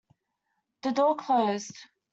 The door closed.